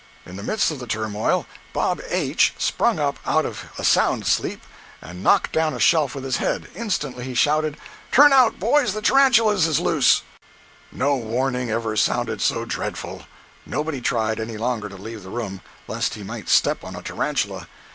In the midst of the turmoil, Bob H——sprung up out of a sound sleep, and knocked down a shelf with his head. Instantly he shouted: "Turn out, boys—the tarantulas is loose!" 165.jpg (15K) No warning ever sounded so dreadful. Nobody tried, any longer, to leave the room, lest he might step on a tarantula.